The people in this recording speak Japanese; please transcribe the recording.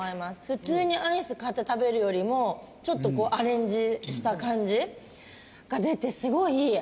普通にアイス買って食べるよりもちょっとこうアレンジした感じが出てすごいいい！